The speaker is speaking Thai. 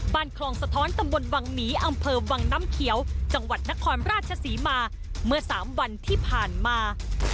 คลองสะท้อนตำบลวังหมีอำเภอวังน้ำเขียวจังหวัดนครราชศรีมาเมื่อ๓วันที่ผ่านมา